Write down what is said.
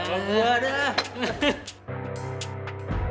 sama gue dah